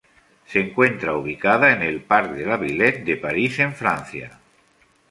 Se encuentra ubicada en el Parc de la Villette de París en Francia.